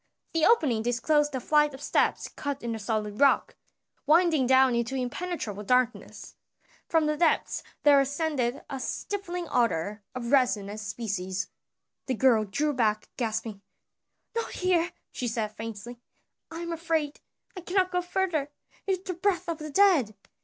The opening disclosed a flight of steps cut in the solid rock, winding down into impenetrable darkness. From the depths there ascended a stifling odor of resin and spices. The girl drew back gasping, "Not here!" she said faintly. "I am afraid; I cannot go further, it is the breath of the dead."